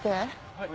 はい。